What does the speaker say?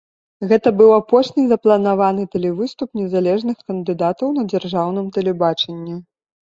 Гэта быў апошні запланаваны тэлевыступ незалежных кандыдатаў на дзяржаўным тэлебачанні.